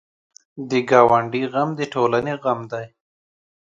د ګاونډي غم د ټولنې غم دی